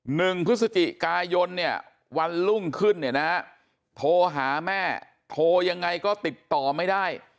หนึ่งพฤศจิกายนวันรุ่งขึ้นโทรหาแม่โทรยังไงก็ติดต่อไม่ได้